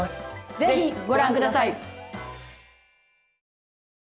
ぜひご覧下さい。